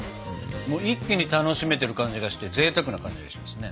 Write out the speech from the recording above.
一気に楽しめてる感じがしてぜいたくな感じがしますね。